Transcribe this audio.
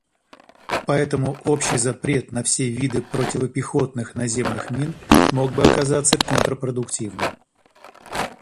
Поэтому общий запрет на все виды противопехотных наземных мин мог бы оказаться контрпродуктивным.